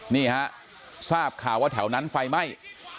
นี่ฮะทราบข่าวว่าแถวนั้นไฟไหม้